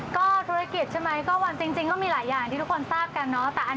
ก็ธุรกิจใช่ไหมก็วันจริงก็มีหลายอย่างที่ทุกคนทราบกันเนาะ